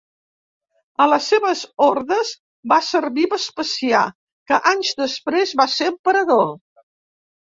A les seves ordes va servir Vespasià, que anys després va ser emperador.